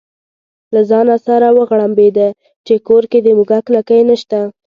له ځانه سره وغړمبېده چې کور کې د موږک لکۍ نشته.